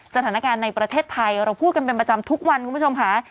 สถานการณ์ในประเทศไทยเราพูดกันเป็นประจำทุกวันคุณผู้ชมค่ะ